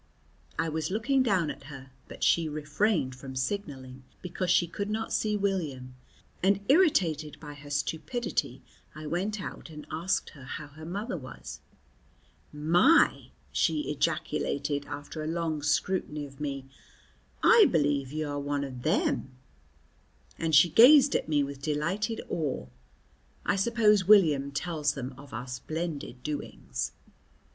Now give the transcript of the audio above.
I was looking down at her, but she refrained from signalling because she could not see William, and irritated by her stupidity I went out and asked her how her mother was. "My," she ejaculated after a long scrutiny of me, "I b'lieve you are one of them!" and she gazed at me with delighted awe. I suppose William tells them of our splendid doings.